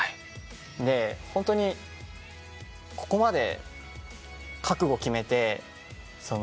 ホントにここまで覚悟決めて。